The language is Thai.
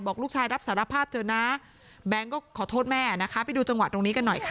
ลูกชายรับสารภาพเถอะนะแบงค์ก็ขอโทษแม่นะคะไปดูจังหวะตรงนี้กันหน่อยค่ะ